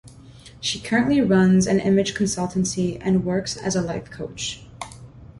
She currently runs an image consultancy and works as a life coach.